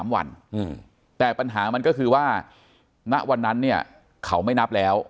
๓วันแต่ปัญหามันก็คือว่าณวันนั้นเนี่ยเขาไม่นับแล้ว